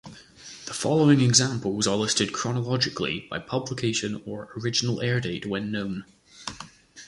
The following examples are listed chronologically by publication or original air date, when known.